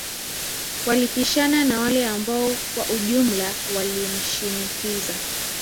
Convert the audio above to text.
Walipishana na wale ambao kwa ujumla walimshinikiza